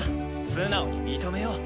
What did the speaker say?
素直に認めよう。